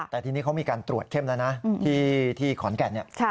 แต่ทีนี้เขามีการตรวจเข้มแล้วนะที่ขอนแก่นเนี่ย